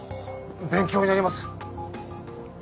勉強になります。